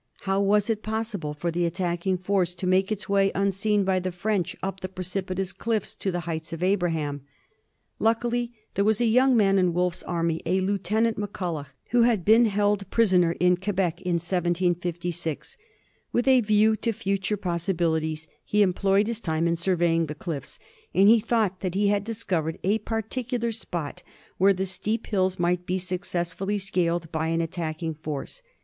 How was it possible for the attacking force to make its way unseen by the French up the precipitous cliffs to the Heights of Abraham ? Luckily, there was a young man in Wolfe's ai*my, a Lieutenant McCulloch, who had been held prisoner in Quebec in 1756. With a view to future possibilities, he employed his time in surveying the cliffs, and he thought that he had discovered a par ticular spot where the steep hills might be successfully scaled by an attacking force.